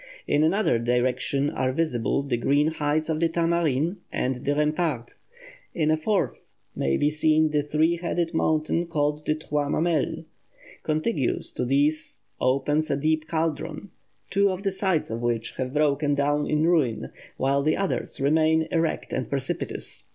In another direction are visible the green heights of the Tamarin and the Rempart; in a fourth may be seen the three headed mountain called the Trois Mammelles. Contiguous to these opens a deep caldron, two of the sides of which have broken down in ruin, while the others remain erect and precipitous.